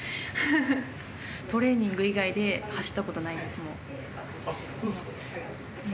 トレーニング以外で走ったことないんです、もう。